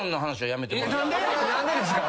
何でですか？